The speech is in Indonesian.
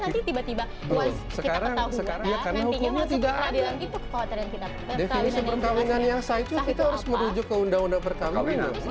definisi perkawinan yang sajju kita harus menuju ke undang undang perkawinan